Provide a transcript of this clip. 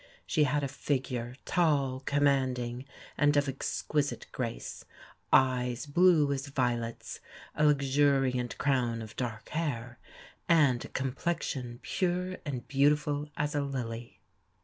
She had a figure, tall, commanding, and of exquisite grace, eyes blue as violets, a luxuriant crown of dark hair, and a complexion pure and beautiful as a lily.